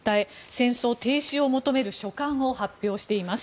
戦争停止を求める書簡を発表しています。